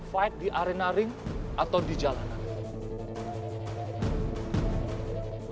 fight di arena ring atau di jalanan